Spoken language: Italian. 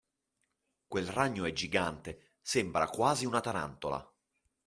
Quel ragno è gigante, sembra quasi una tarantola!